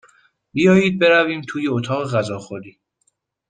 بیایید برویم توی اتاق غذاخوری.